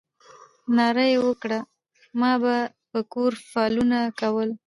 ناره یې وکړه ما به په کور فالونه کول.